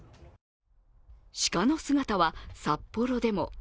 鹿の姿は札幌でも。